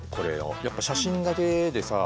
やっぱ写真だけでさ。